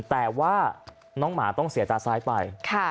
แต่ว่าน้องหมาต้องเสียตาซ้ายไป